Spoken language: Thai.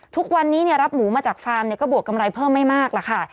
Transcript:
ทุกวันนี้รับหมูมาจากฟาร์มก็บวกกำไรเพิ่มไม่มากล่ะค่ะ